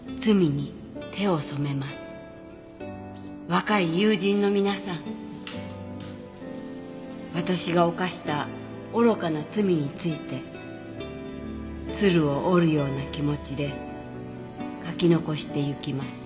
「若い友人の皆さん私が犯した愚かな罪について鶴を折るような気持ちで書き遺して行きます」